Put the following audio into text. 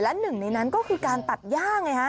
และหนึ่งในนั้นก็คือการตัดย่าไงฮะ